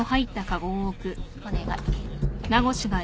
お願い。